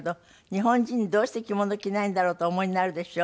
日本人どうして着物着ないんだろうとお思いになるでしょ？